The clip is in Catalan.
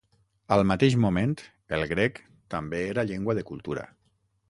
Al mateix moment, el grec també era llengua de cultura.